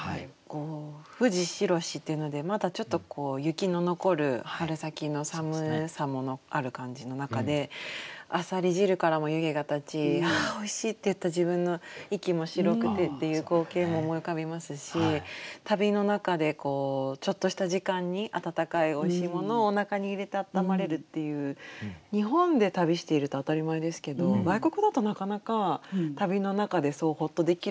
「富士白し」っていうのでまだちょっと雪の残る春先の寒さもある感じの中で浅蜊汁からも湯気が立ち「ああおいしい」って言った自分の息も白くてっていう光景も思い浮かびますし旅の中でちょっとした時間に温かいおいしいものをおなかに入れて温まれるっていう日本で旅していると当たり前ですけど外国だとなかなか旅の中でそうホッとできる瞬間って少ないなと思うと。